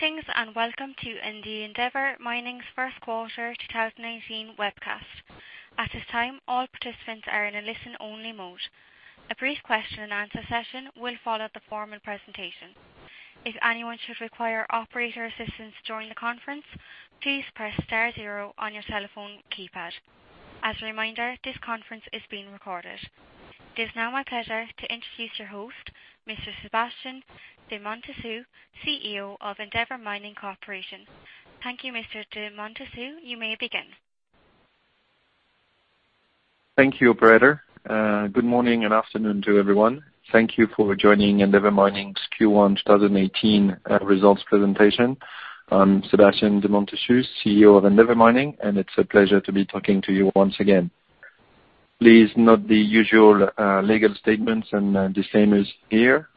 Greetings, welcome to the Endeavour Mining's first quarter 2018 webcast. At this time, all participants are in a listen-only mode. A brief question and answer session will follow the formal presentation. If anyone should require operator assistance during the conference, please press star zero on your telephone keypad. As a reminder, this conference is being recorded. It is now my pleasure to introduce your host, Mr. Sébastien de Montessus, CEO of Endeavour Mining Corporation. Thank you, Mr. de Montessus. You may begin. Thank you, operator. Good morning and afternoon to everyone. Thank you for joining Endeavour Mining's Q1 2018 results presentation. I'm Sébastien de Montessus, CEO of Endeavour Mining. It's a pleasure to be talking to you once again. Please note the usual legal statements. The same is here.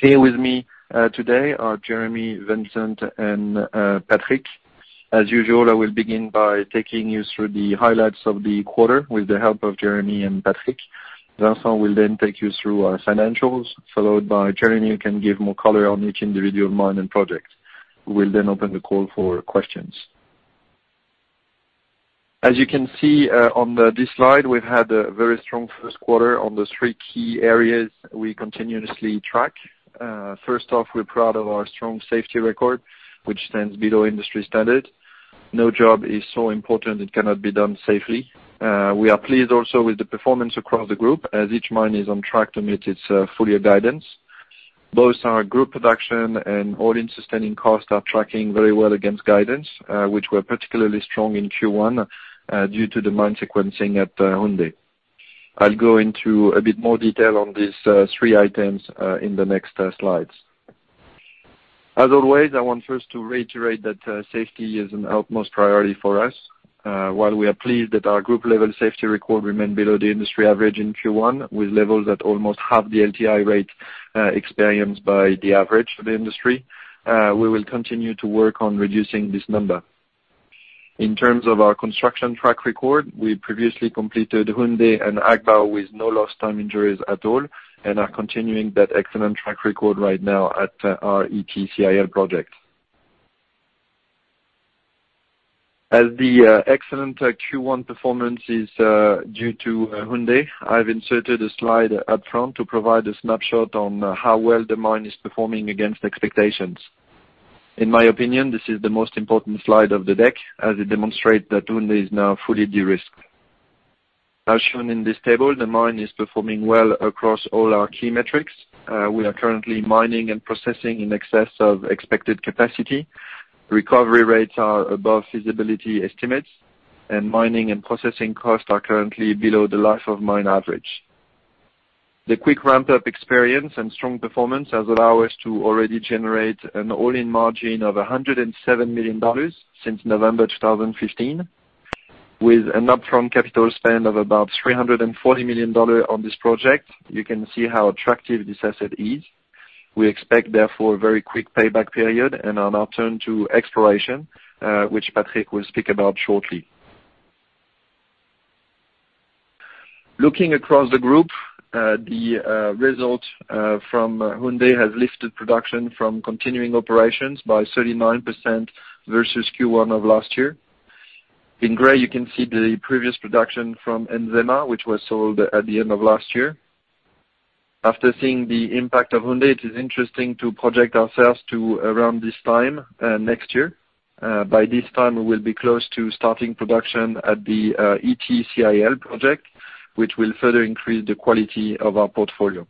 Here with me today are Jeremy, Vincent, and Patrick. As usual, I will begin by taking you through the highlights of the quarter with the help of Jeremy and Patrick. Vincent will take you through our financials, followed by Jeremy, who can give more color on each individual mine and project. We will open the call for questions. As you can see on this slide, we've had a very strong first quarter on the three key areas we continuously track. First off, we're proud of our strong safety record, which stands below industry standard. No job is so important it cannot be done safely. We are pleased also with the performance across the group, as each mine is on track to meet its full-year guidance. Both our group production and all-in sustaining costs are tracking very well against guidance, which were particularly strong in Q1 due to the mine sequencing at Houndé. I'll go into a bit more detail on these three items in the next slides. As always, I want first to reiterate that safety is an utmost priority for us. While we are pleased that our group-level safety record remained below the industry average in Q1, with levels at almost half the LTI rate experienced by the average for the industry, we will continue to work on reducing this number. In terms of our construction track record, we previously completed Houndé and Agbaou with no lost time injuries at all. We are continuing that excellent track record right now at our Ity CIL project. As the excellent Q1 performance is due to Houndé, I've inserted a slide up front to provide a snapshot on how well the mine is performing against expectations. In my opinion, this is the most important slide of the deck, as it demonstrates that Houndé is now fully de-risked. As shown in this table, the mine is performing well across all our key metrics. We are currently mining and processing in excess of expected capacity. Recovery rates are above feasibility estimates. Mining and processing costs are currently below the life of mine average. The quick ramp-up experience and strong performance has allowed us to already generate an all-in margin of $107 million since November 2015. With an upfront capital spend of about $340 million on this project, you can see how attractive this asset is. We expect, therefore, a very quick payback period and a return to exploration, which Patrick will speak about shortly. Looking across the group, the result from Houndé has lifted production from continuing operations by 39% versus Q1 of last year. In gray, you can see the previous production from Nzema, which was sold at the end of last year. After seeing the impact of Houndé, it is interesting to project ourselves to around this time next year. By this time, we will be close to starting production at the Ity CIL project, which will further increase the quality of our portfolio.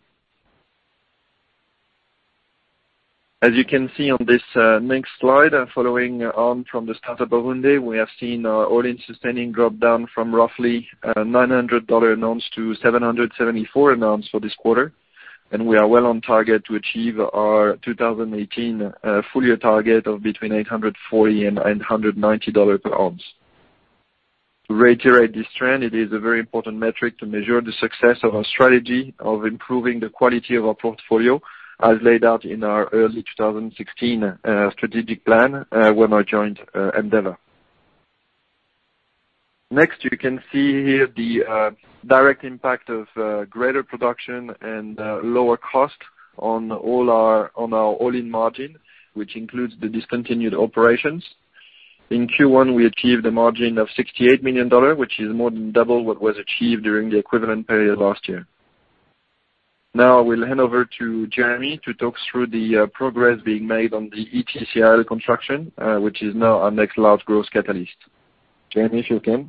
As you can see on this next slide, following on from the start-up of Houndé, we have seen our all-in sustaining drop down from roughly $900 an ounce to $774 an ounce for this quarter. We are well on target to achieve our 2018 full-year target of between $840 and $890 per ounce. To reiterate this trend, it is a very important metric to measure the success of our strategy of improving the quality of our portfolio, as laid out in our early 2016 strategic plan when I joined Endeavour. Next, you can see here the direct impact of greater production and lower cost on our all-in margin, which includes the discontinued operations. In Q1, we achieved a margin of $68 million, which is more than double what was achieved during the equivalent period last year. Now, I will hand over to Jeremy to talk through the progress being made on the Ity CIL construction, which is now our next large growth catalyst. Jeremy, if you can.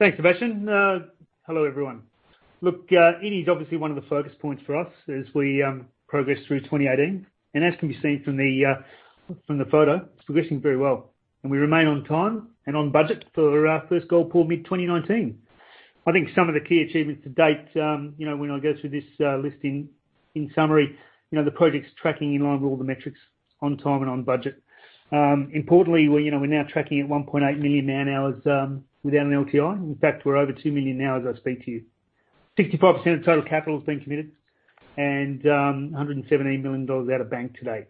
Thanks, Sébastien. Hello, everyone. Look, Ity is obviously one of the focus points for us as we progress through 2018. As can be seen from the photo, it's progressing very well, and we remain on time and on budget for our first gold pour mid-2019. I think some of the key achievements to date, when I go through this list in summary, the project's tracking in line with all the metrics on time and on budget. Importantly, we're now tracking at 1.8 million man-hours without an LTI. In fact, we're over 2 million now as I speak to you. 65% of total capital has been committed and $117 million out of bank to date.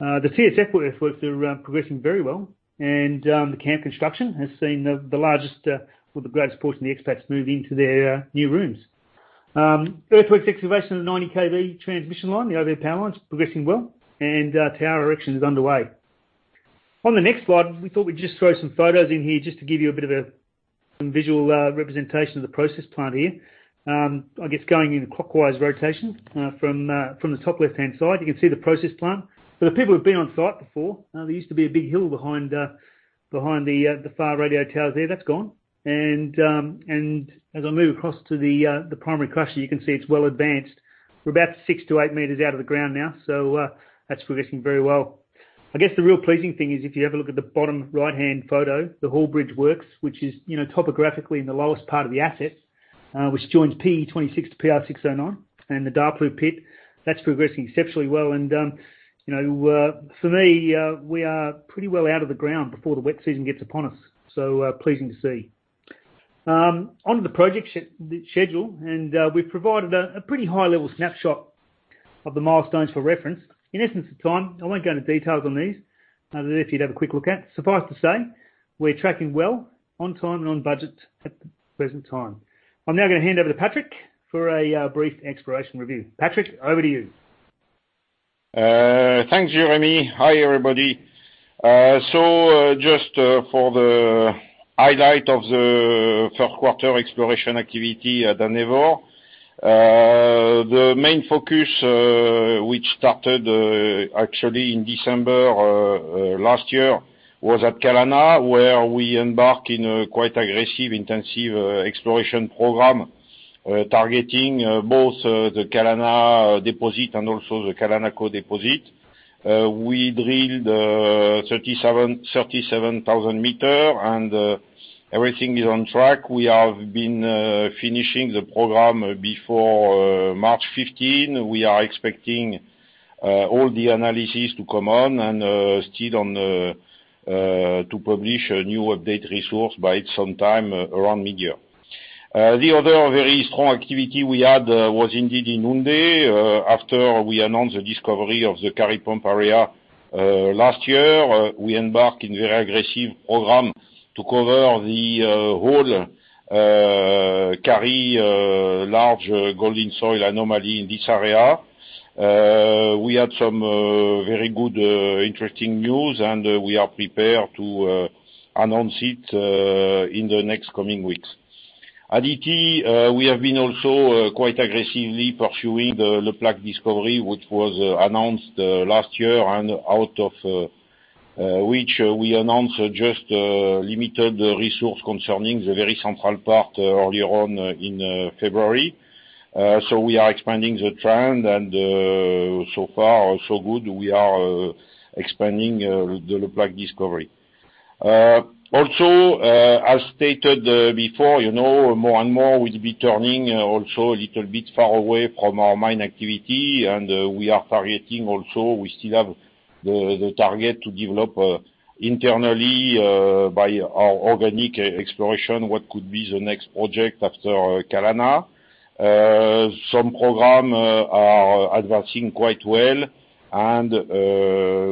The CSF efforts are progressing very well, and the camp construction has seen the largest or the greatest portion of the expats move into their new rooms. Earthworks excavation of the 90 kV transmission line, the overhead power line, is progressing well, and tower erection is underway. On the next slide, we thought we'd just throw some photos in here just to give you a bit of some visual representation of the process plant here. Going in a clockwise rotation, from the top left-hand side, you can see the process plant. For the people who've been on site before, there used to be a big hill behind the far radio towers there. That's gone. As I move across to the primary crusher, you can see it's well advanced. We're about six to eight meters out of the ground now, so that's progressing very well. The real pleasing thing is if you have a look at the bottom right-hand photo, the hall bridge works, which is topographically in the lowest part of the asset, which joins PE26 to PR609 and the dark blue pit. That's progressing exceptionally well. For me, we are pretty well out of the ground before the wet season gets upon us, so pleasing to see. On to the project schedule, and we've provided a pretty high-level snapshot of the milestones for reference. In essence of time, I won't go into details on these, other than if you'd have a quick look at. Suffice to say, we're tracking well, on time and on budget at the present time. I'm now going to hand over to Patrick for a brief exploration review. Patrick, over to you. Thanks, Jeremy. Hi, everybody. Just for the highlight of the first quarter exploration activity at Endeavour. The main focus, which started actually in December last year, was at Kalana, where we embark in a quite aggressive, intensive exploration program, targeting both the Kalana deposit and also the Kalanako deposit. We drilled 37,000 meters, and everything is on track. We have been finishing the program before March 15. We are expecting all the analysis to come on and still to publish a new updated resource by some time around mid-year. The other very strong activity we had was indeed in Houndé. After we announced the discovery of the Kari Pump area last year, we embark in very aggressive program to cover the whole Kari large golden soil anomaly in this area. We had some very good interesting news, and we are prepared to announce it in the next coming weeks. At Ity, we have been also quite aggressively pursuing the Le Plaque discovery, which was announced last year, and out of which we announced just limited resource concerning the very central part earlier on in February. So we are expanding the trend, and so far so good. We are expanding the Le Plaque discovery. Also, as stated before, more and more will be turning also a little bit far away from our mine activity, and we are targeting also, we still have the target to develop internally, by our organic exploration, what could be the next project after Kalana. Some program are advancing quite well and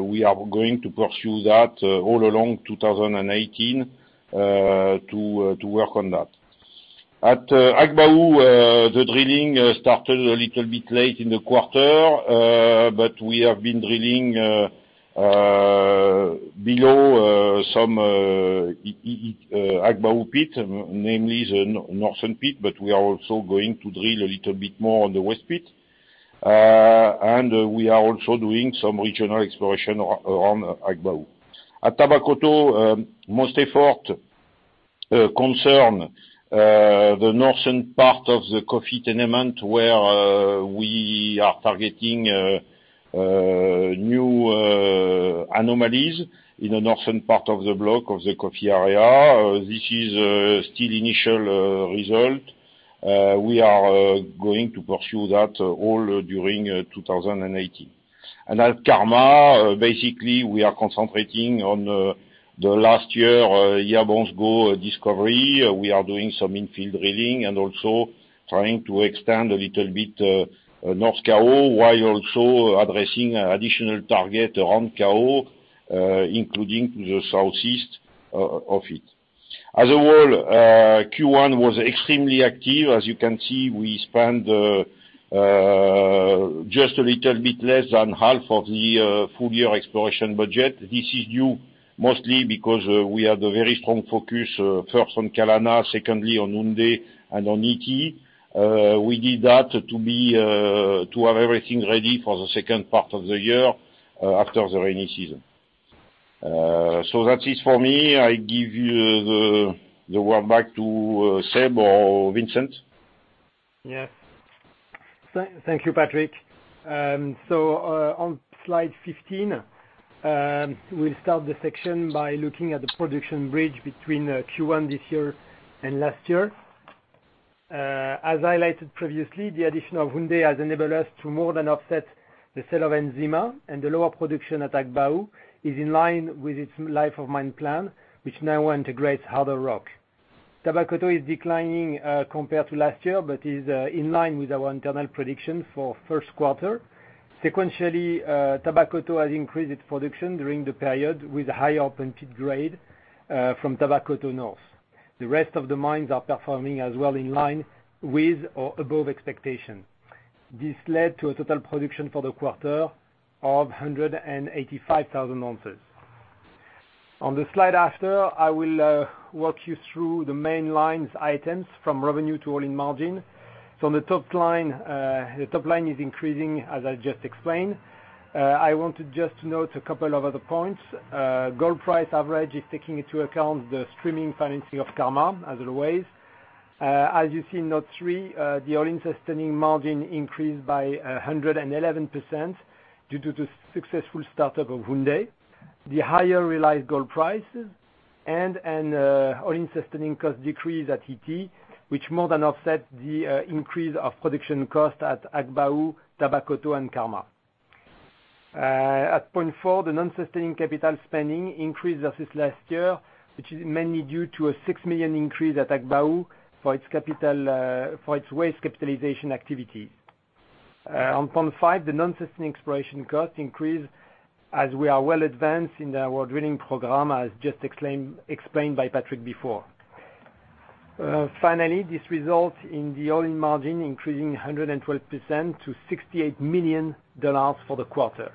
we are going to pursue that all along 2018 to work on that. At Agbaou, the drilling started a little bit late in the quarter. We have been drilling below some Agbaou pit, namely the northern pit. We are also going to drill a little bit more on the west pit. We are also doing some regional exploration around Agbaou. At Tabakoto, most effort concern the northern part of the Kofi tenement, where we are targeting new anomalies in the northern part of the block of the Kofi area. This is still initial result. We are going to pursue that all during 2018. At Karma, basically, we are concentrating on the last year discovery. We are doing some infield drilling and also trying to expand a little bit North Kao while also addressing additional target around Kao, including the southeast of it. As a whole, Q1 was extremely active. As you can see, we spent just a little bit less than half of the full year exploration budget. Yes. This is due mostly because we had a very strong focus, first on Kalana, secondly on Houndé, and on Ity. We did that to have everything ready for the second part of the year, after the rainy season. That is for me. I give the work back to Seb or Vincent. Yes. Thank you, Patrick. On slide 15, we'll start the section by looking at the production bridge between Q1 this year and last year. As highlighted previously, the addition of Houndé has enabled us to more than offset the sale of Nzema, and the lower production at Agbaou is in line with its life of mine plan, which now integrates harder rock. Tabakoto is declining compared to last year but is in line with our internal prediction for first quarter. Sequentially, Tabakoto has increased its production during the period with high open pit grade from Tabakoto North. The rest of the mines are performing as well, in line with or above expectation. This led to a total production for the quarter of 185,000 ounces. On the slide after, I will walk you through the main lines items from revenue to all-in margin. On the top line, the top line is increasing, as I just explained. I want to just note a couple of other points. Gold price average is taking into account the streaming financing of Karma, as always. As you see in note three, the all-in sustaining margin increased by 111% due to the successful startup of Houndé, the higher realized gold prices and an all-in sustaining cost decrease at Ity, which more than offset the increase of production cost at Agbaou, Tabakoto, and Karma. At point four, the non-sustaining capital spending increased versus last year, which is mainly due to a $6 million increase at Agbaou for its waste capitalization activity. On point five, the non-sustaining exploration cost increased as we are well advanced in our drilling program, as just explained by Patrick before. Finally, this results in the all-in margin increasing 112% to $68 million for the quarter.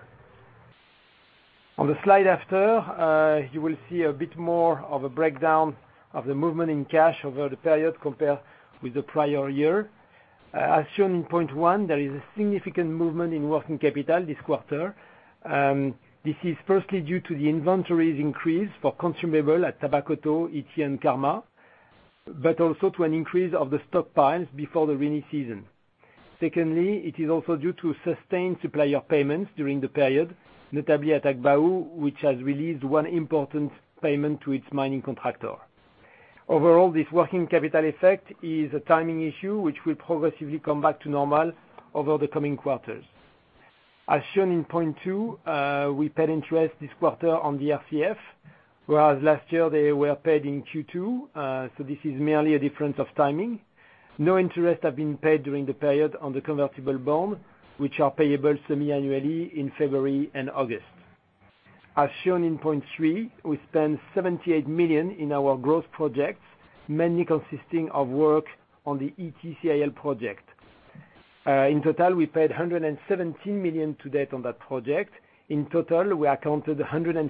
On the slide after, you will see a bit more of a breakdown of the movement in cash over the period compared with the prior year. As shown in point one, there is a significant movement in working capital this quarter. This is firstly due to the inventories increase for consumable at Tabakoto, Ity, and Karma, but also to an increase of the stockpiles before the rainy season. Secondly, it is also due to sustained supplier payments during the period, notably at Agbaou, which has released one important payment to its mining contractor. Overall, this working capital effect is a timing issue, which will progressively come back to normal over the coming quarters. As shown in point two, we paid interest this quarter on the RCF, whereas last year they were paid in Q2. This is merely a difference of timing. No interest have been paid during the period on the convertible bond, which are payable semi-annually in February and August. As shown in point three, we spent $78 million in our growth projects, mainly consisting of work on the Ity CIL project. In total, we paid $117 million to date on that project. In total, we accounted $147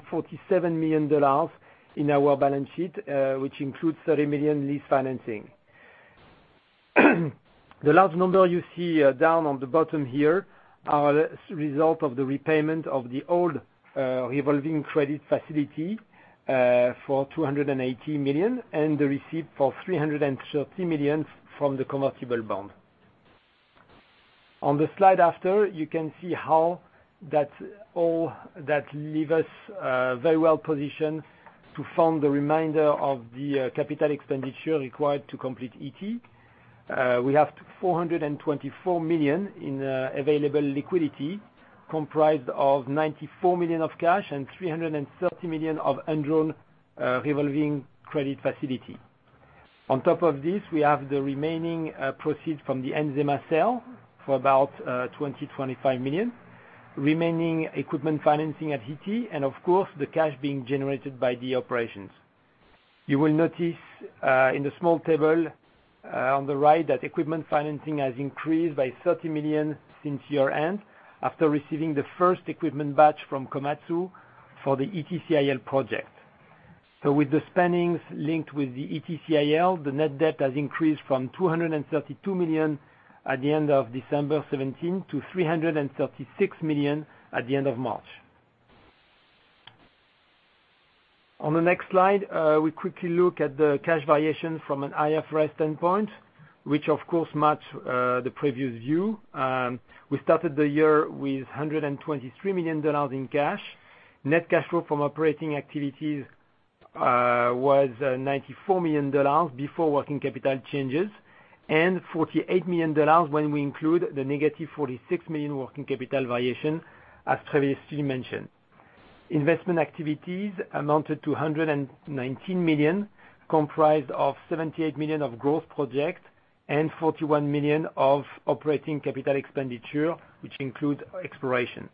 million in our balance sheet, which includes $30 million lease financing. The large number you see down on the bottom here are the result of the repayment of the old revolving credit facility for $280 million and the receipt for $330 million from the convertible bond. On the slide after, you can see how that leave us very well-positioned to fund the remainder of the capital expenditure required to complete Ity. We have $424 million in available liquidity, comprised of $94 million of cash and $330 million of undrawn revolving credit facility. On top of this, we have the remaining proceed from the Nzema sale for about $20 million-$25 million, remaining equipment financing at Ity, and of course, the cash being generated by the operations. You will notice, in the small table on the right, that equipment financing has increased by $30 million since year-end after receiving the first equipment batch from Komatsu for the Ity CIL project. With the spendings linked with the Ity CIL, the net debt has increased from $232 million at the end of December 2017 to $336 million at the end of March. On the next slide, we quickly look at the cash variation from an IFRS standpoint, which of course match the previous view. We started the year with $123 million in cash. Net cash flow from operating activities was $94 million before working capital changes, and $48 million when we include the negative $46 million working capital variation as previously mentioned. Investment activities amounted to $119 million, comprised of $78 million of growth projects and $41 million of operating capital expenditure, which include exploration.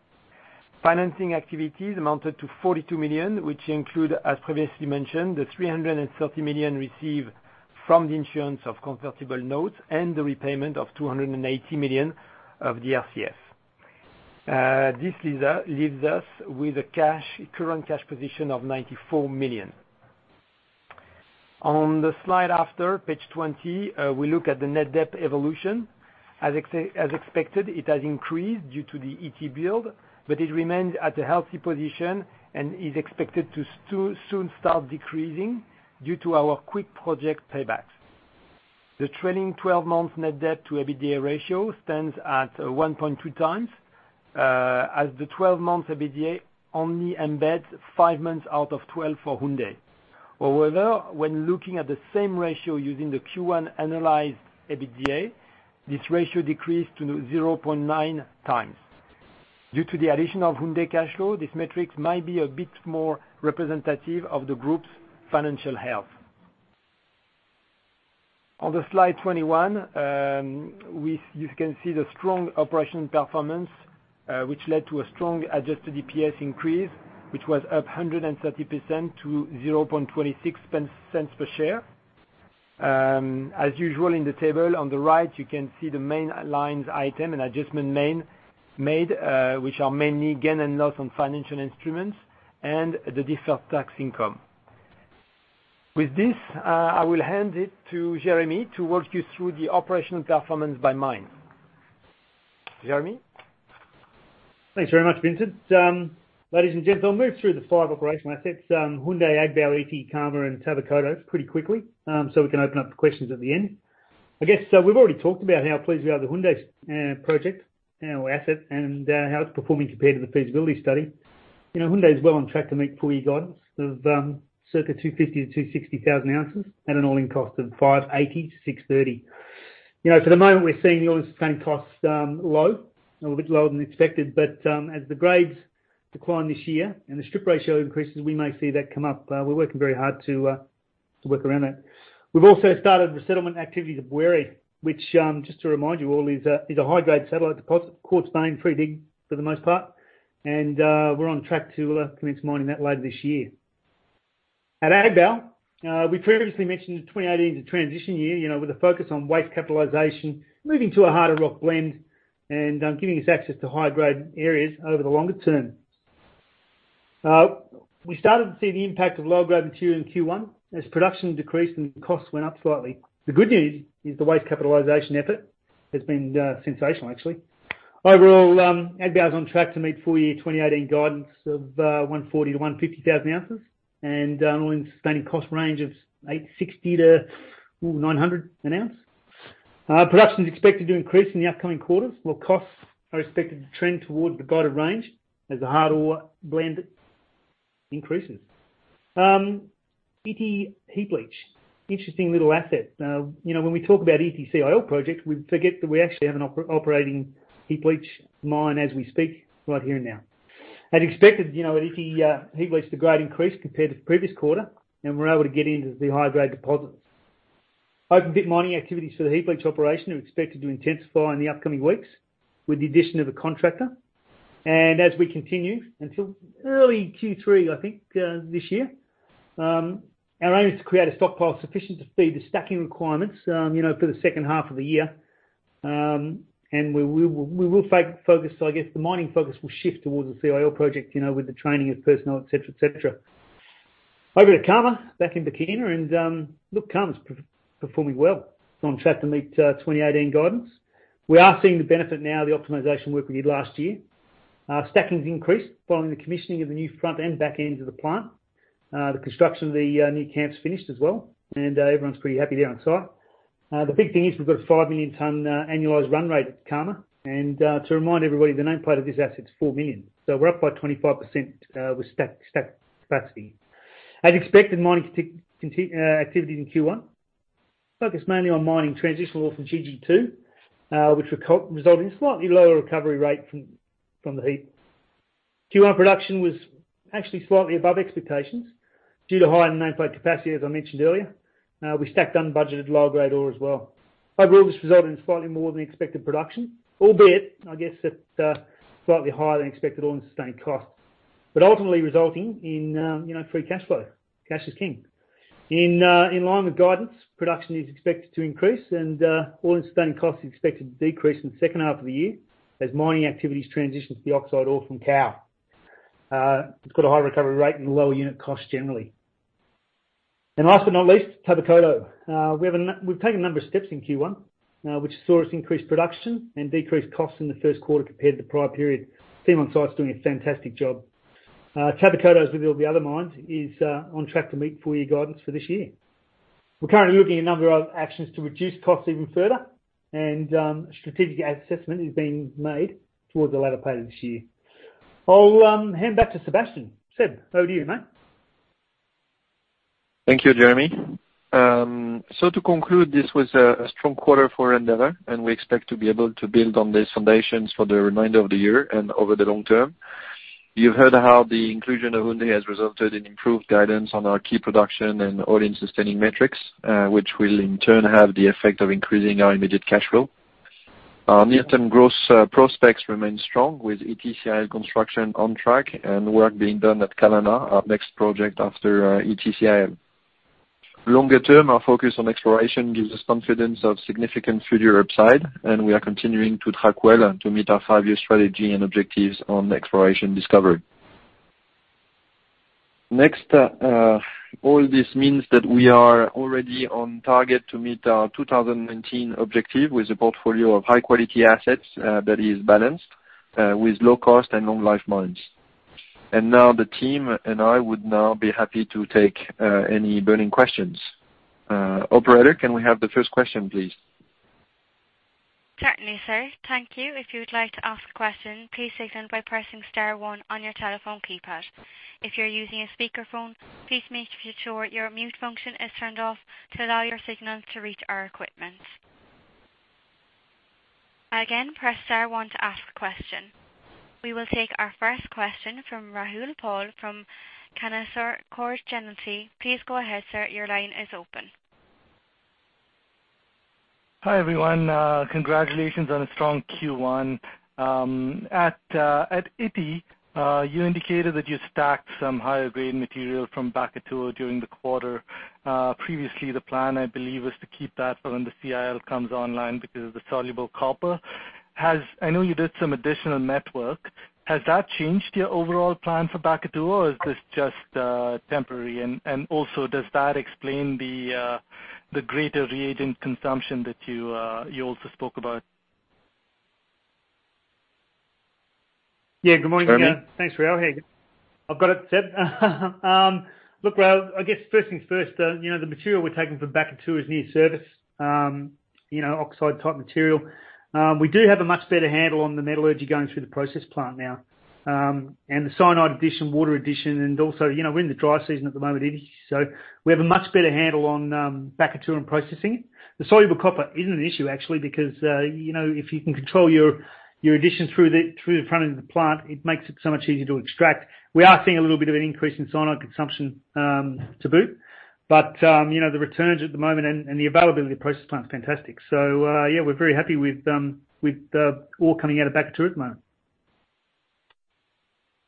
Financing activities amounted to $42 million, which include, as previously mentioned, the $330 million received from the issuance of convertible notes and the repayment of $280 million of the RCF. This leaves us with a current cash position of $94 million. On the slide after, page 20, we look at the net debt evolution. As expected, it has increased due to the Ity build, but it remains at a healthy position and is expected to soon start decreasing due to our quick project paybacks. The trailing 12 months net debt to EBITDA ratio stands at 1.2 times, as the 12 months EBITDA only embeds five months out of 12 for Houndé. However, when looking at the same ratio using the Q1 analyzed EBITDA, this ratio decreased to 0.9 times. Due to the addition of Houndé cash flow, this metric might be a bit more representative of the group's financial health. On the slide 21, you can see the strong operational performance, which led to a strong adjusted EPS increase, which was up 130% to $0.26 per share. As usual, in the table on the right, you can see the main lines item and adjustment made, which are mainly gain and loss on financial instruments and the deferred tax income. With this, I will hand it to Jeremy to walk you through the operational performance by mine. Jeremy? Thanks very much, Vincent. Ladies and gentlemen, I'll move through the five operational assets, Houndé, Agbaou, Ity, Karma, and Tabakoto, pretty quickly, so we can open up the questions at the end. We've already talked about how pleased we are with the Houndé project, asset, and how it's performing compared to the feasibility study. Houndé is well on track to meet full year guidance of circa 250,000 to 260,000 ounces at an all-in cost of $580 to $630. For the moment, we're seeing the all-in cost low, a little bit lower than expected, but as the grades decline this year and the strip ratio increases, we may see that come up. We're working very hard to work around that. We've also started the settlement activities at Bouéré, which, just to remind you all, is a high-grade satellite deposit, quartz vein, free dig, for the most part. We're on track to commence mining that later this year. At Agbaou, we previously mentioned that 2018 is a transition year with a focus on waste capitalization, moving to a harder rock blend, and giving us access to high-grade areas over the longer term. We started to see the impact of lower grade material in Q1 as production decreased and costs went up slightly. The good news is the waste capitalization effort has been sensational, actually. Overall, Agbaou is on track to meet full year 2018 guidance of 140,000 to 150,000 ounces and all-in sustaining cost range of $860 to $900 an ounce. Production is expected to increase in the upcoming quarters, while costs are expected to trend toward the guided range as the hard ore blend increases. Ity heap leach, interesting little asset. When we talk about Ity CIL project, we forget that we actually have an operating heap leach mine as we speak right here and now. As expected, at Ity heap leach, the grade increased compared to the previous quarter, and we're able to get into the high-grade deposits. Open pit mining activities for the heap leach operation are expected to intensify in the upcoming weeks with the addition of a contractor. As we continue until early Q3, I think, this year, our aim is to create a stockpile sufficient to feed the stacking requirements for the second half of the year. The mining focus will shift towards the CIL project with the training of personnel, et cetera. Over to Karma, back in Burkina, look, Karma's performing well, on track to meet 2018 guidance. We are seeing the benefit now of the optimization work we did last year. Stacking's increased following the commissioning of the new front and back ends of the plant. The construction of the new camp's finished as well, everyone's pretty happy there on site. The big thing is we've got a 5 million ton annualized run rate at Karma. To remind everybody, the nameplate of this asset is 4 million. We're up by 25% with stack capacity. As expected, mining activities in Q1 focused mainly on mining transitional ore from GG2, which would result in a slightly lower recovery rate from the heap. Q1 production was actually slightly above expectations due to higher than nameplate capacity, as I mentioned earlier. We stacked unbudgeted low-grade ore as well. Overall, this resulted in slightly more than expected production, albeit, I guess at slightly higher than expected all-in sustaining costs, but ultimately resulting in free cash flow. Cash is king. In line with guidance, production is expected to increase and all-in sustaining costs are expected to decrease in the second half of the year as mining activities transition to the oxide ore from Kao. It's got a high recovery rate and low unit cost generally. Last but not least, Tabakoto. We've taken a number of steps in Q1, which saw us increase production and decrease costs in the first quarter compared to the prior period. Team on site is doing a fantastic job. Tabakoto's, with all the other mines, is on track to meet full year guidance for this year. We're currently looking at a number of actions to reduce costs even further, strategic asset assessment is being made towards the latter part of this year. I'll hand back to Sébastien. Seb, over to you, mate. Thank you, Jeremy. To conclude, this was a strong quarter for Endeavour, and we expect to be able to build on these foundations for the remainder of the year and over the long term. You've heard how the inclusion of Houndé has resulted in improved guidance on our key production and all-in sustaining metrics, which will in turn have the effect of increasing our immediate cash flow. Our near-term growth prospects remain strong with Ity CIL construction on track and work being done at Kalana, our next project after Ity CIL. Longer term, our focus on exploration gives us confidence of significant future upside, and we are continuing to track well to meet our 5-year strategy and objectives on exploration discovery. All this means that we are already on target to meet our 2019 objective with a portfolio of high-quality assets that is balanced with low cost and long life mines. Now the team and I would now be happy to take any burning questions. Operator, can we have the first question, please? Certainly, sir. Thank you. If you would like to ask a question, please signal by pressing star one on your telephone keypad. If you're using a speakerphone, please make sure your mute function is turned off to allow your signal to reach our equipment. Again, press star one to ask a question. We will take our first question from Rahul Paul from Canaccord Genuity. Please go ahead, sir. Your line is open. Hi, everyone. Congratulations on a strong Q1. At Ity, you indicated that you stacked some higher grade material from Bakatouo during the quarter. Previously, the plan, I believe, was to keep that for when the CIL comes online because of the soluble copper. I know you did some additional test work. Has that changed your overall plan for Bakatouo, or is this just temporary? Also, does that explain the greater reagent consumption that you also spoke about? Yeah. Good morning again. Jeremy? Thanks, Rahul. Here you go. I've got it, Seb. Look, Rahul, I guess first things first, the material we're taking from Bakatouo is near service, oxide-type material. We do have a much better handle on the metallurgy going through the process plant now, and the cyanide addition, water addition, and also, we're in the dry season at the moment. We have a much better handle on Bakatouo and processing it. The soluble copper isn't an issue actually, because, if you can control your addition through the front end of the plant, it makes it so much easier to extract. We are seeing a little bit of an increase in cyanide consumption to boot. The returns at the moment and the availability of the process plant is fantastic. Yeah, we're very happy with ore coming out of Bakatouo at the moment.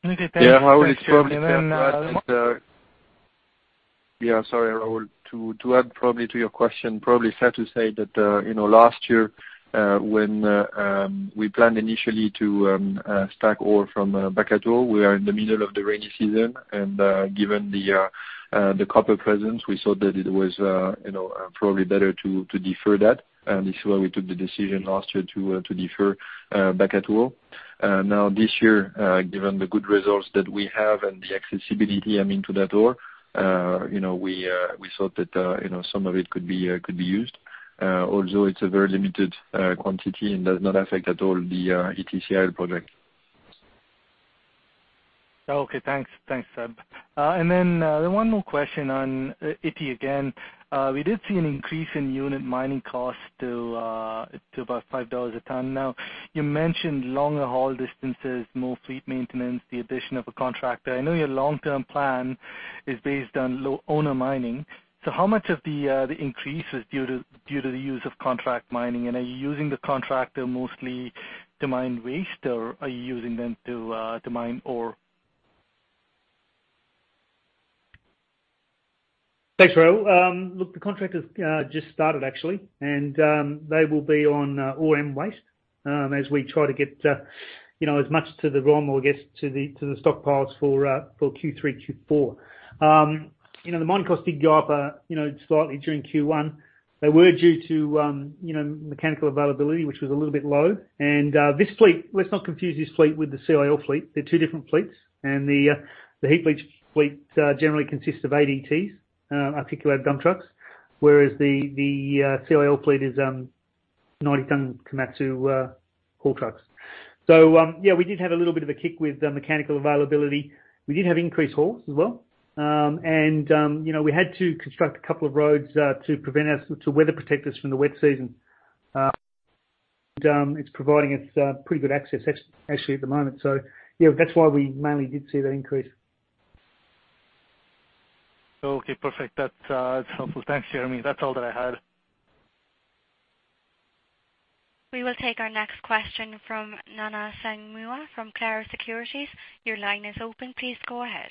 Okay, thanks. Yeah, Rahul, it's probably fair to add, yeah, sorry, Rahul. To add probably to your question, probably fair to say that, last year, when we planned initially to stack ore from Bakatouo, we were in the middle of the rainy season. Given the copper presence, we thought that it was probably better to defer that. This is why we took the decision last year to defer Bakatouo. This year, given the good results that we have and the accessibility, I mean, to that ore, we thought that some of it could be used. Although it's a very limited quantity and does not affect at all the Ity CIL project. Okay. Thanks, Seb. One more question on Ity again. We did see an increase in unit mining cost to about $5 a ton. You mentioned longer haul distances, more fleet maintenance, the addition of a contractor. I know your long-term plan is based on low owner mining. How much of the increase is due to the use of contract mining, and are you using the contractor mostly to mine waste, or are you using them to mine ore? Thanks, Rahul. The contract has just started actually, and they will be on ore and waste, as we try to get as much to the raw material, I guess, to the stockpiles for Q3, Q4. The mining costs did go up slightly during Q1. They were due to mechanical availability, which was a little bit low. This fleet, let's not confuse this fleet with the CIL fleet. They're two different fleets. The heap leach fleet generally consists of ADTs, articulated dump trucks. Whereas the CIL fleet is 90-ton Komatsu haul trucks. Yeah, we did have a little bit of a kick with mechanical availability. We did have increased hauls as well. We had to construct a couple of roads to weather protect us from the wet season. It's providing us pretty good access actually at the moment. Yeah, that's why we mainly did see that increase. Okay, perfect. That's helpful. Thanks, Jeremy. That's all that I had. We will take our next question from Nana Sangmuah from Clarus Securities. Your line is open. Please go ahead.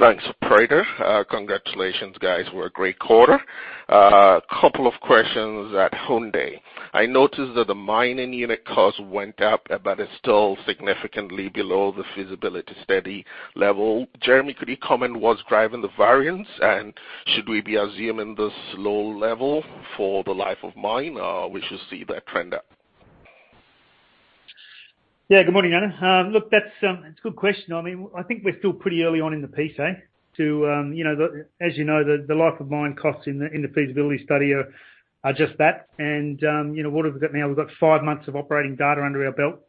Thanks, operator. Congratulations, guys, what a great quarter. A couple of questions at Houndé. It's still significantly below the feasibility study level. Jeremy, could you comment what's driving the variance? Should we be assuming this low level for the life of mine, or we should see that trend up? Yeah. Good morning, Nana. Look, that's a good question. I think we're still pretty early on in the piece, eh? As you know, the life of mine costs in the feasibility study are just that. What have we got now? We've got five months of operating data under our belt.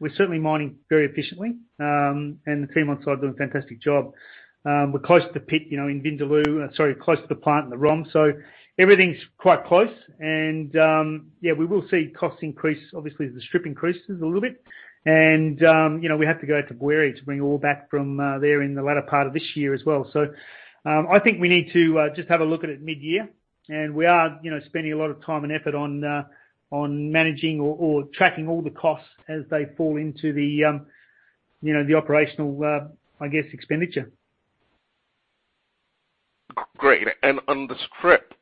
We're certainly mining very efficiently, the team on site are doing a fantastic job. We're close to the pit, in Vindoulou, sorry, close to the plant in the ROM. Everything's quite close. Yeah, we will see costs increase, obviously, as the strip increases a little bit. We have to go out to Bouéré to bring ore back from there in the latter part of this year as well. I think we need to just have a look at it mid-year. We are spending a lot of time and effort on managing or tracking all the costs as they fall into the operational, I guess, expenditure. Great. On the strip,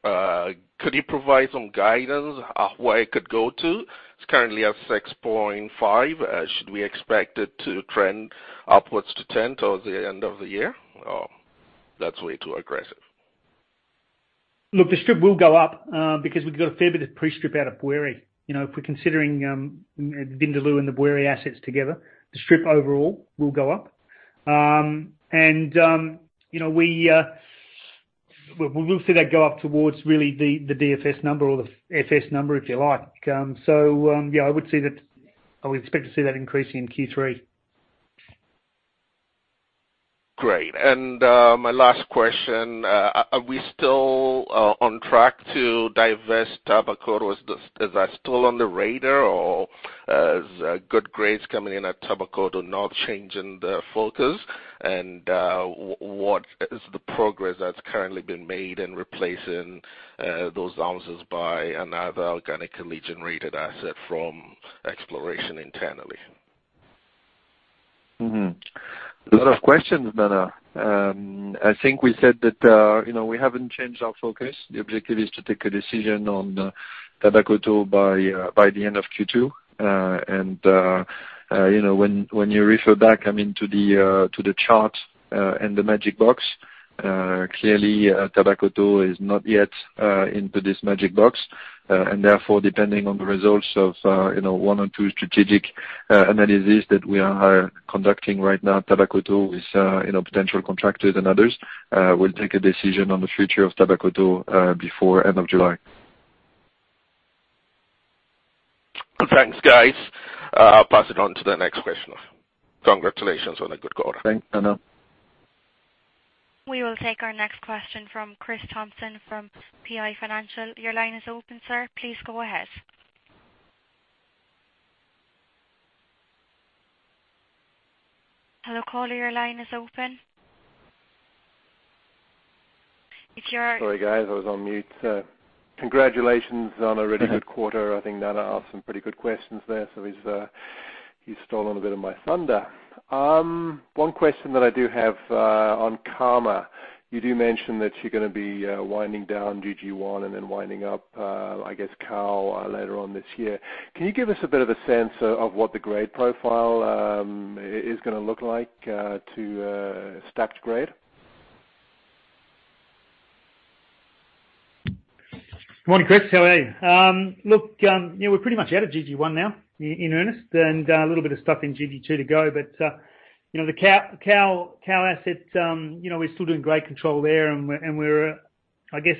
could you provide some guidance of where it could go to? It's currently at 6.5. Should we expect it to trend upwards to 10 toward the end of the year? Or that's way too aggressive. Look, the strip will go up, because we've got a fair bit of pre-strip out of Bouéré. If we're considering Vindaloo and the Bouéré assets together, the strip overall will go up. We will see that go up towards really the DFS number or the FS number, if you like. So, yeah, I would expect to see that increase in Q3. Great. My last question, are we still on track to divest Tabakoto? Is that still on the radar, or is good grades coming in at Tabakoto not changing the focus? What is the progress that's currently been made in replacing those ounces by another organically generated asset from exploration internally? A lot of questions, Nana. I think we said that we haven't changed our focus. The objective is to take a decision on Tabakoto by the end of Q2. When you refer back to the chart and the magic box, clearly, Tabakoto is not yet into this magic box. Therefore, depending on the results of one or two strategic analyses that we are conducting right now, Tabakoto with potential contractors and others, we'll take a decision on the future of Tabakoto before end of July. Thanks, guys. I'll pass it on to the next question. Congratulations on a good quarter. Thanks, Nana. We will take our next question from Chris Thompson from PI Financial. Your line is open, sir. Please go ahead. Hello, caller. Your line is open. Sorry guys, I was on mute. Congratulations on a really good quarter. I think Nana asked some pretty good questions there, so he's stolen a bit of my thunder. One question that I do have on Karma. You do mention that you're going to be winding down GG1 and then winding up, I guess, Kao later on this year. Can you give us a bit of a sense of what the grade profile is going to look like to stacked grade? Good morning, Chris. How are you? We're pretty much out of GG1 now, in earnest, and a little bit of stuff in GG2 to go. The Kao asset, we're still doing grade control there, and we're ahead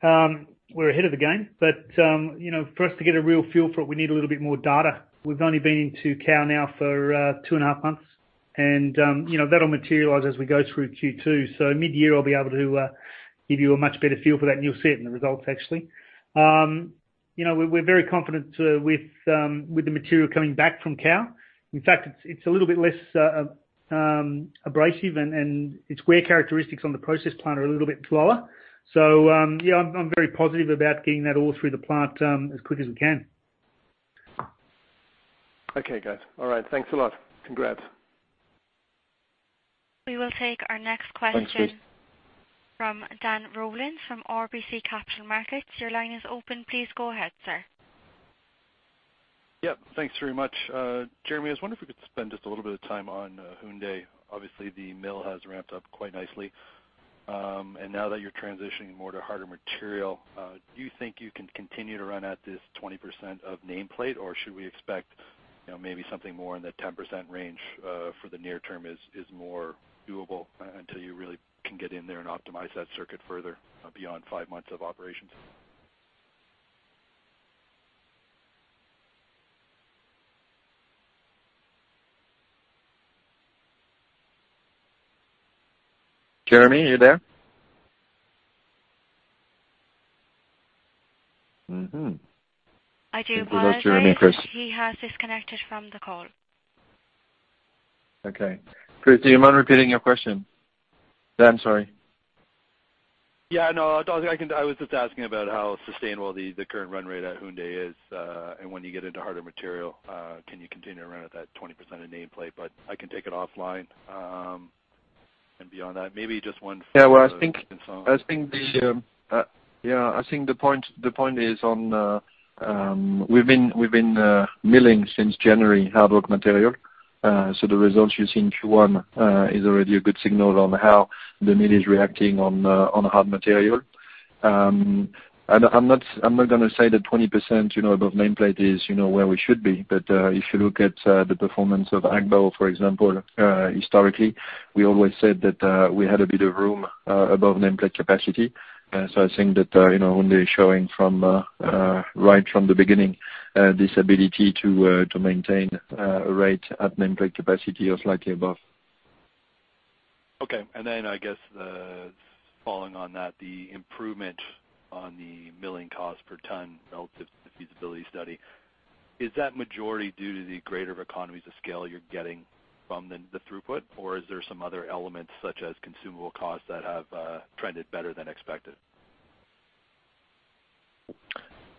of the game. For us to get a real feel for it, we need a little bit more data. We've only been into Kao now for two and a half months. That'll materialize as we go through Q2. Mid-year, I'll be able to give you a much better feel for that, and you'll see it in the results actually. We're very confident with the material coming back from Kao. In fact, it's a little bit less abrasive, and its wear characteristics on the process plant are a little bit lower. Yeah, I'm very positive about getting that all through the plant as quick as we can. Okay, guys. All right. Thanks a lot. Congrats. We will take our next question. Thanks, Chris. from Dan Rollins from RBC Capital Markets. Your line is open. Please go ahead, sir. Yep. Thanks very much. Jeremy, I was wondering if we could spend just a little bit of time on Houndé. Obviously, the mill has ramped up quite nicely. Now that you're transitioning more to harder material, do you think you can continue to run at this 20% of nameplate? Should we expect maybe something more in the 10% range for the near term is more doable until you really can get in there and optimize that circuit further beyond five months of operations? Jeremy, are you there? I do apologize. We lost Jeremy, Chris. He has disconnected from the call. Okay. Chris, do you mind repeating your question? Dan, sorry. Yeah, no. I was just asking about how sustainable the current run rate at Houndé is, and when you get into harder material, can you continue to run at that 20% of name plate? I can take it offline. Beyond that, maybe just one for Vincent. Yeah. I think the point is on, we've been milling since January, hard rock material. The results you see in Q1 is already a good signal on how the mill is reacting on hard material. I'm not going to say that 20% above nameplate is where we should be. If you look at the performance of Agbaou, for example, historically, we always said that we had a bit of room above nameplate capacity. I think that Houndé is showing right from the beginning, this ability to maintain a rate at nameplate capacity or slightly above. Okay. Then I guess following on that, the improvement on the milling cost per ton relative to the feasibility study, is that majority due to the greater economies of scale you're getting from the throughput, or is there some other elements such as consumable costs that have trended better than expected?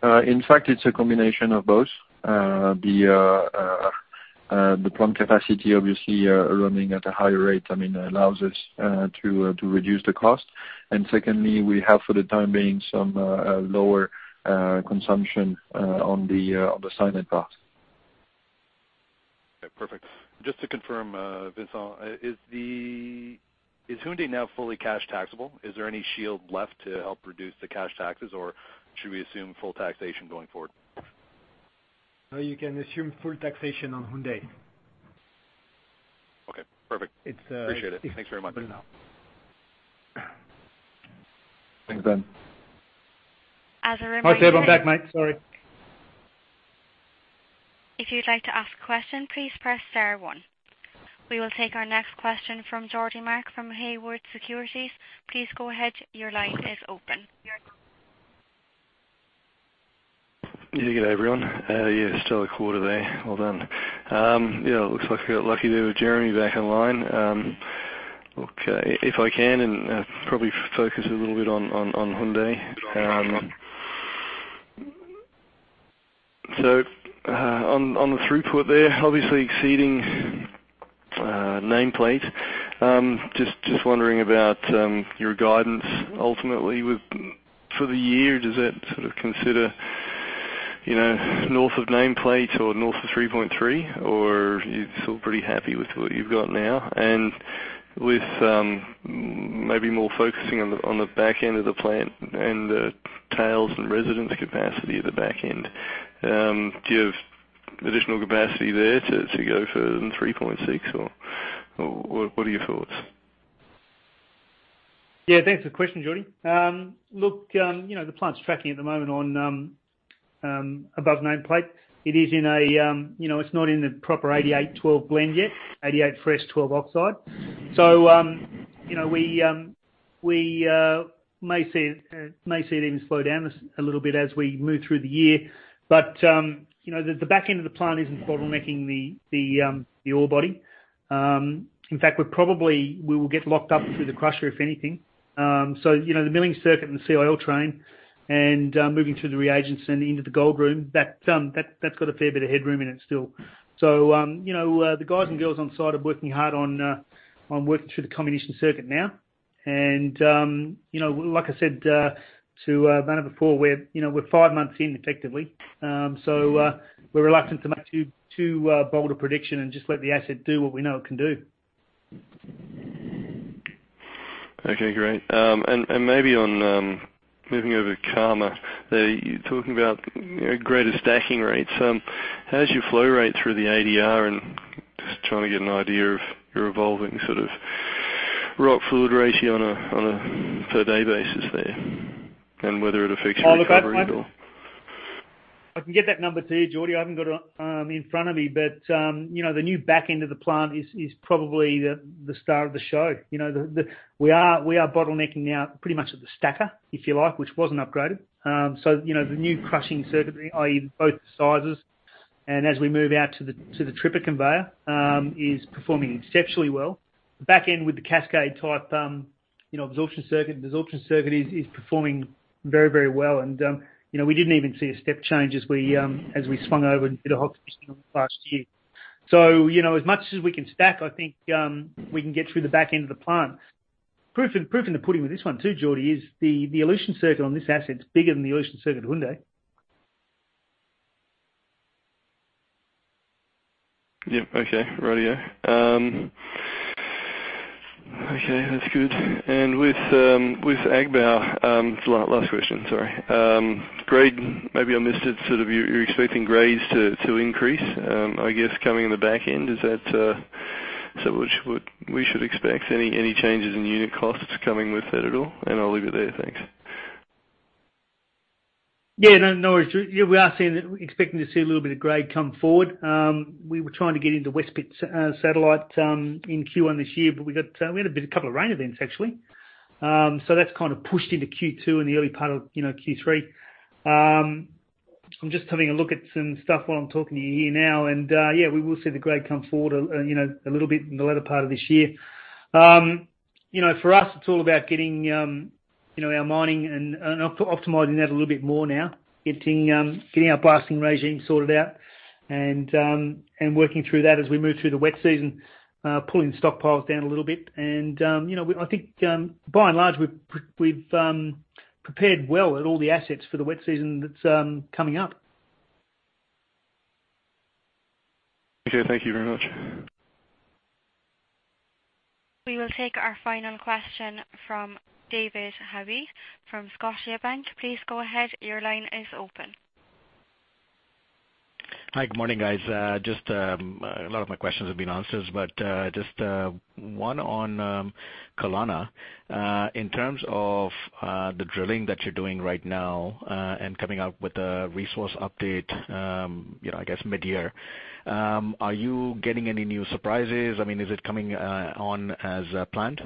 In fact, it's a combination of both. The plant capacity, obviously, running at a higher rate allows us to reduce the cost. Secondly, we have for the time being some lower consumption on the cyanide cost. Okay, perfect. Just to confirm, Vincent, is Houndé now fully cash taxable? Is there any shield left to help reduce the cash taxes, or should we assume full taxation going forward? No, you can assume full taxation on Houndé. Okay, perfect. It's- Appreciate it. Thanks very much for now Thanks, Dan. As a reminder. Sorry, Dan. I'm back, mate. Sorry. If you'd like to ask a question, please press star one. We will take our next question from Geordie Mark from Haywood Securities. Please go ahead. Your line is open. Good day, everyone. Stellar quarter there. Well done. Looks like we got lucky there with Jeremy back online. If I can, and probably focus a little bit on Houndé. On the throughput there, obviously exceeding nameplate. Just wondering about your guidance ultimately for the year. Does that sort of consider north of nameplate or north of 3.3, or you're still pretty happy with what you've got now? With maybe more focusing on the back end of the plant and the tails and residence capacity at the back end, do you have additional capacity there to go further than 3.6, or what are your thoughts? Yeah, thanks for the question, Geordie. The plant's tracking at the moment above nameplate. It's not in the proper 88 12 blend yet, 88 fresh, 12 oxide. We may see it even slow down a little bit as we move through the year. The back end of the plant isn't bottlenecking the ore body. In fact, we will get locked up through the crusher, if anything. The milling circuit and the CIL train and moving through the reagents and into the gold room, that's got a fair bit of headroom in it still. The guys and girls on site are working hard on working through the commission circuit now. Like I said to Nana before, we're five months in, effectively. We're reluctant to make too bold a prediction and just let the asset do what we know it can do. Okay, great. Maybe on moving over to Karma, you're talking about greater stacking rates. How's your flow rate through the ADR? Just trying to get an idea of your evolving sort of rock-fluid ratio on a per day basis there, and whether it affects your recovery at all. I can get that number to you, Geordie. I haven't got it in front of me, the new back end of the plant is probably the star of the show. We are bottlenecking now pretty much at the stacker, if you like, which wasn't upgraded. The new crushing circuitry, i.e. both the sizes, and as we move out to the tripper conveyor, is performing exceptionally well. The back end with the cascade type absorption circuit. The absorption circuit is performing very well. We didn't even see a step change as we swung over and did a hot commission last year. As much as we can stack, I think we can get through the back end of the plant. Proof in the pudding with this one too, Geordie, is the elution circuit on this asset's bigger than the elution circuit at Houndé. Yeah. Okay. Righty-o. Okay, that's good. With Agbaou, it's the last question, sorry. Grade, maybe I missed it, sort of you're expecting grades to increase, I guess coming in the back end. Is that what we should expect? Any changes in unit costs coming with that at all? I'll leave it there. Thanks. Yeah. No worries. Yeah, we are expecting to see a little bit of grade come forward. We were trying to get into West Pit Satellite in Q1 this year, we had a couple of rain events actually. That's kind of pushed into Q2 and the early part of Q3. I'm just having a look at some stuff while I'm talking to you here now. Yeah, we will see the grade come forward a little bit in the latter part of this year. For us, it's all about getting our mining and optimizing that a little bit more now. Getting our blasting regime sorted out and working through that as we move through the wet season, pulling stockpiles down a little bit. I think by and large, we've prepared well at all the assets for the wet season that's coming up. Okay. Thank you very much. We will take our final question from David Haughton from Scotiabank. Please go ahead. Your line is open. Hi, good morning, guys. A lot of my questions have been answered, just one on Kalana. In terms of the drilling that you're doing right now and coming out with a resource update, I guess mid-year, are you getting any new surprises? Is it coming on as planned?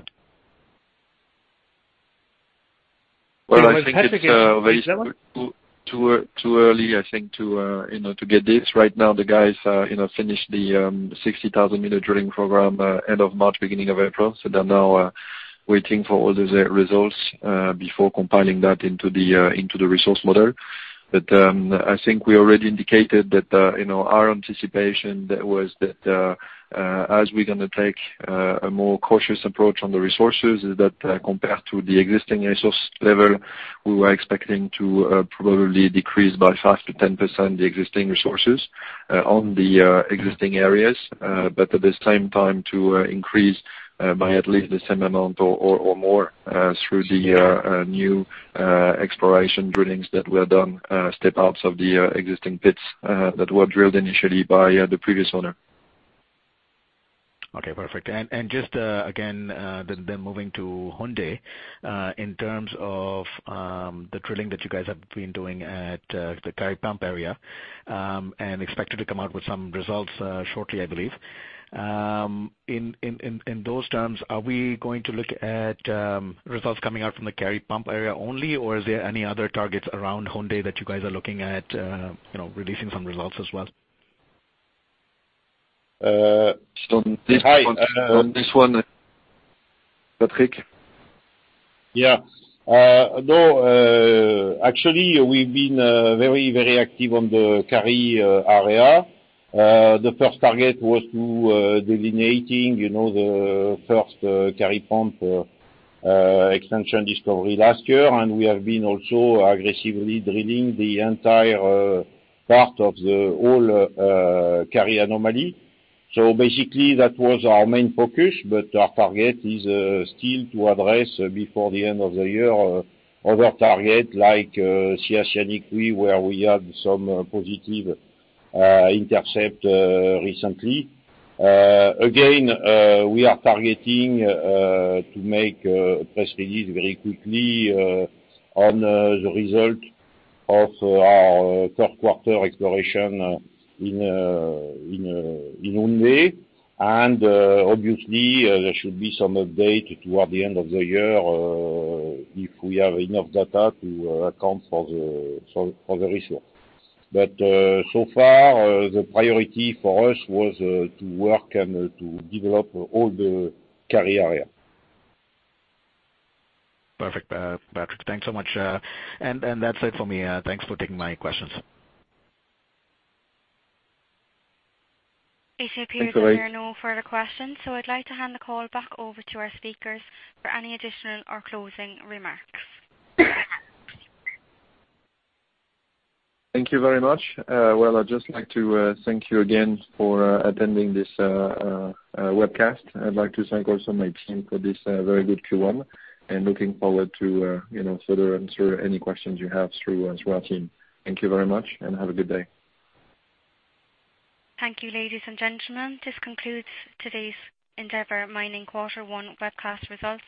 Well, Patrick, Well, I think it's too early, I think, to get this. Right now, the guys finished the 60,000 meter drilling program end of March, beginning of April. They're now waiting for all the results before compiling that into the resource model. I think we already indicated that our anticipation was that, as we're going to take a more cautious approach on the resources, is that compared to the existing resource level, we were expecting to probably decrease by 5%-10% the existing resources on the existing areas. At the same time, to increase by at least the same amount or more through the new exploration drillings that were done, step outs of the existing pits that were drilled initially by the previous owner. Okay, perfect. Just again, moving to Houndé, in terms of the drilling that you guys have been doing at the Kari Pump area, and expected to come out with some results shortly, I believe. In those terms, are we going to look at results coming out from the Kari Pump area only, or is there any other targets around Houndé that you guys are looking at releasing some results as well? On this one, Patrick? Yeah, no, actually, we've been very active on the Kari area. The first target was to delineating the first Kari Pump extension discovery last year, and we have been also aggressively drilling the entire part of the whole Kari anomaly. Basically, that was our main focus, but our target is still to address before the end of the year other targets like where we had some positive intercept recently. Again, we are targeting to make a press release very quickly on the result of our fourth quarter exploration in Houndé. Obviously, there should be some update toward the end of the year if we have enough data to account for the resource. So far, the priority for us was to work and to develop all the Kari area. Perfect, Patrick. Thanks so much. That's it for me. Thanks for taking my questions. It appears there are no further questions, I'd like to hand the call back over to our speakers for any additional or closing remarks. Thank you very much. I'd just like to thank you again for attending this webcast. I'd like to thank also my team for this very good Q1 and looking forward to further answer any questions you have through our team. Thank you very much and have a good day. Thank you, ladies and gentlemen. This concludes today's Endeavour Mining Quarter One webcast results.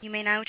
You may now disconnect.